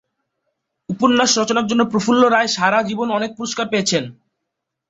উপন্যাস রচনার জন্য প্রফুল্ল রায় সারা জীবন অনেক পুরস্কার পেয়েছেন।